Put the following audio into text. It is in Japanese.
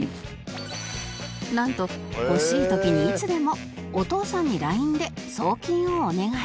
なんと欲しい時にいつでもお父さんに ＬＩＮＥ で送金をお願い